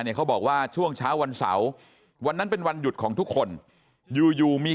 เขาบอกว่าช่วงเช้าวันเสาร์วันนั้นเป็นวันหยุดของทุกคนอยู่อยู่มี